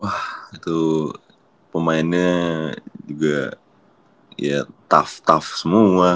wah itu pemainnya juga ya tough tough semua